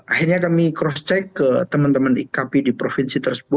akhirnya kami cross check ke teman teman ikp di provinsi tersebut